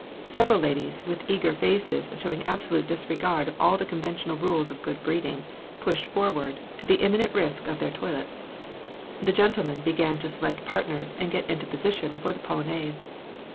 Several ladies, with eager faces showing absolute disregard of all the conventional rules of good breeding, pushed forwaii^ to the imminent risk of their toilets. The gentlemen began to select partners, and get into position for the polonaise.